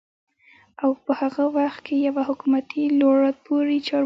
او په هغه وخت کې يوه حکومتي لوړپوړي چارواکي